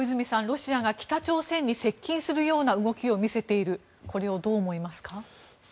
ロシアが北朝鮮に接近するような動きを見せているこれをどう思いますか？